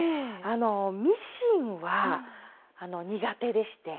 あのミシンは苦手でして。